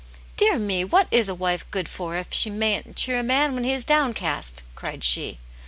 " Dear me, what is a wife good for if she mayn't cheer a man when he is downcast?'* cried she.